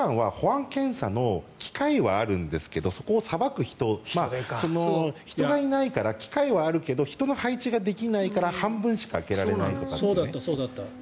一番は保安検査の機械はあるんですが、そこをさばく人がいないから機械はあるけど人の配置ができないから半分しか開けられない。